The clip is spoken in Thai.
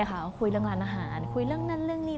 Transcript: เขาคุยเรื่องร้านอาหารคุยเรื่องนั้นเรื่องนี้